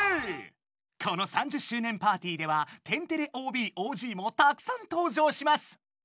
この３０周年パーティーでは天てれＯＢ・ＯＧもたくさん登場します。